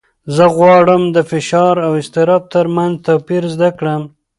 زه غواړم د فشار او اضطراب تر منځ توپیر زده کړم.